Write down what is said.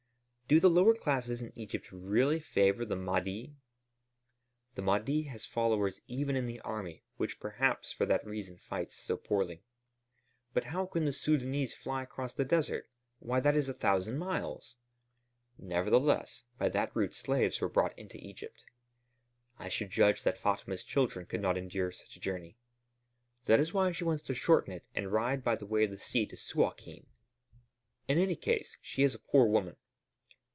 "Do the lower classes in Egypt really favor the Mahdi?" "The Mahdi has followers even in the army, which perhaps for that reason fights so poorly." "But how can the Sudânese fly across the desert? Why, that is a thousand miles." "Nevertheless, by that route slaves were brought into Egypt." "I should judge that Fatma's children could not endure such a journey." "That is why she wants to shorten it and ride by way of the sea to Suâkin." "In any case, she is a poor woman."